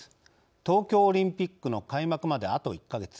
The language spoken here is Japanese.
東京オリンピックの開幕まであと１か月。